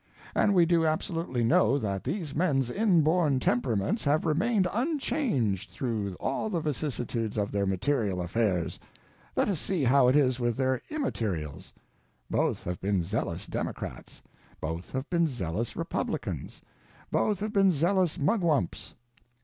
And we do absolutely know that these men's inborn temperaments have remained unchanged through all the vicissitudes of their material affairs. Let us see how it is with their immaterials. Both have been zealous Democrats; both have been zealous Republicans; both have been zealous Mugwumps.